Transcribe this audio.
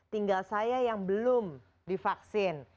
tinggal saya yang belum divaksin